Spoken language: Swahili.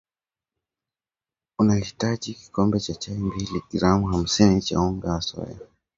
Utahitaji Kikombe cha chai mbili gram hamsini cha unga wa soya